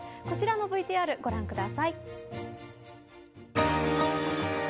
こちらのＶＴＲご覧ください。